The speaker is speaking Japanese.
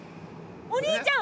お兄ちゃん！